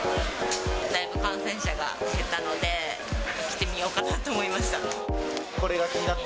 だいぶ感染者が減ったので、来てみようかなと思いました。